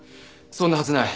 そんなはずない。